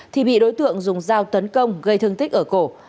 thì bị đối tượng dùng dao tấn công gây thương tích ở cổ